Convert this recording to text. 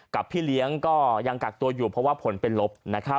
พี่เลี้ยงก็ยังกักตัวอยู่เพราะว่าผลเป็นลบ